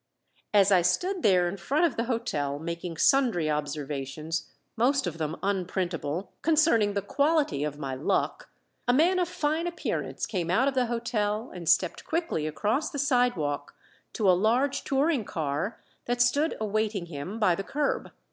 As I stood there in front of the hotel making sundry observations, most of them unprintable, concerning the quality of my luck, a man of fine appearance came out of the hotel and stepped quickly across the sidewalk to a large touring car that stood awaiting him by the curb.